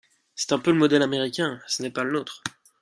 C’est un peu le modèle américain, ce n’est pas le nôtre.